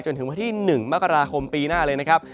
จนถึงวันที่๑มกราคมปีหน้าเลยนะครับ